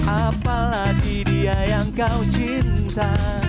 apalagi dia yang kau cinta